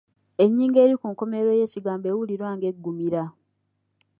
Ennyingo eri ku nkomerero y'ekigambo ewulirwa nga eggumira.